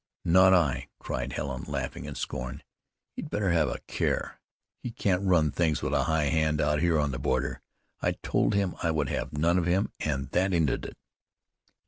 "Not I," cried Helen, laughing in scorn. "He'd better have a care. He can't run things with a high hand out here on the border. I told him I would have none of him, and that ended it."